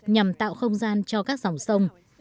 nhằm tạo không gian cho các dòng sông